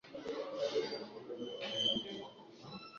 Polisi wamesema kwamba